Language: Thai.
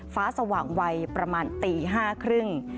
ฟ้าสว่างไวประมาณตี๕๓๐น